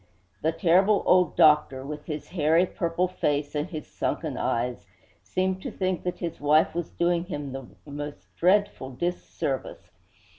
The terrible old doctor, with his hairy, purple face and his sunken eyes, seemed to think that his wife was doing him the most dreadful dis service.